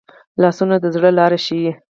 لاسونه د زړه لاره ښيي